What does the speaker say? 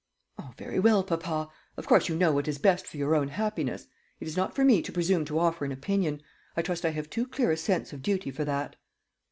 "Oh, very well, papa. Of course you know what is best for your own happiness. It is not for me to presume to offer an opinion; I trust I have too clear a sense of duty for that."